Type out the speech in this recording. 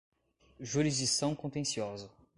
jurisdição contenciosa